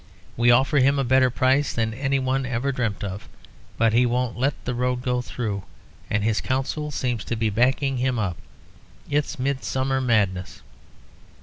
We offer him a better price than any one ever dreamt of, but he won't let the road go through. And his Council seems to be backing him up. It's midsummer madness."